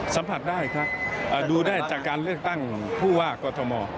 สัมผัสได้ครับดูได้จากการเลือกตั้งผู้ว่ากอทม